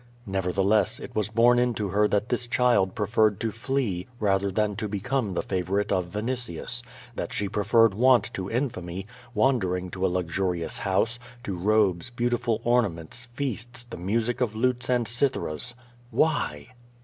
Nevertheless, it was borne into her that this child preferred to flee rather than to become the favorite of Vinitius; that she preferred want to infamy, wandering to a luxurious house, to robes, beautiful ornaments, feasts, the music of lutes and cytheras. Why?